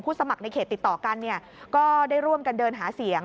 สมัครในเขตติดต่อกันก็ได้ร่วมกันเดินหาเสียง